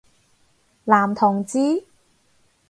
男同志？